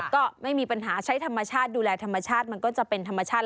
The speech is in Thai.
ก็ไม่มีปัญหาใช้ธรรมชาติดูแลธรรมชาติมันก็จะเป็นธรรมชาติ